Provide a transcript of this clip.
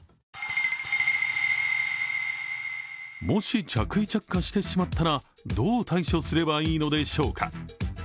もし、着衣着火してしまったらどう対処すればいいのでしょうか。